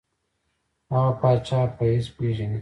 هغه پاچا په حیث پېژني.